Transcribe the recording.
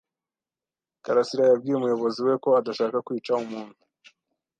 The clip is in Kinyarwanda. karasira yabwiye umuyobozi we ko adashaka kwica umuntu ..